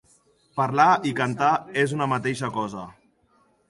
Parlar i cantar és una mateixa cosa.